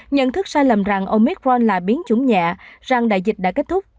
nhận thức sai lầm rằng omicron là biến chủng nhẹ rằng đại dịch đã kết thúc